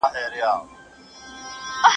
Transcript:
¬ تر مړه زمري، ژوندى گيدړ لا ښه دئ.